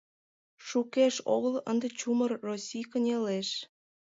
Шукеш огыл ынде чумыр Россий кынелеш.